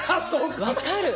分かる。